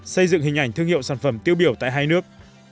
xây dựng hình ảnh thương hiệu sản phẩm tiêu biểu tại hai nước